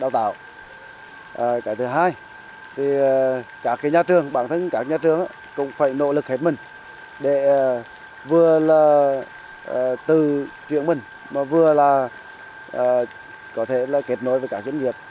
cái thứ hai thì các nhà trường bản thân các nhà trường cũng phải nỗ lực hết mình để vừa là từ chuyện mình mà vừa là có thể là kết nối với các doanh nghiệp